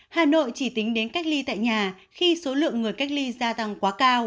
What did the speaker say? hà nội chỉ tính đến cách ly tại nhà